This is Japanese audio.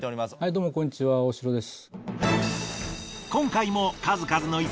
どうもこんにちは大城です。